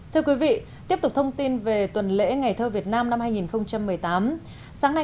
thưa quý vị tiếp tục thông tin về tuần lễ ngày thơ việt nam năm hai nghìn một mươi tám sáng nay